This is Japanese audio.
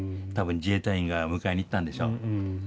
多分自衛隊員が迎えに行ったんでしょう。